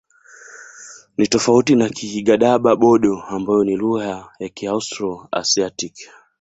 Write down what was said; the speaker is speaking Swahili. Ni tofauti na Kigadaba-Bodo ambayo ni lugha ya Kiaustro-Asiatiki.